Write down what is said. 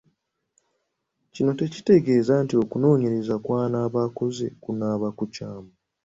Kino tekitegeeza nti okunoonyereza kw’anaaba akoze kunaaba kukyamu.